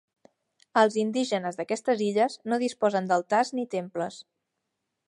Els indígenes d'aquestes illes no disposen d'altars ni temples.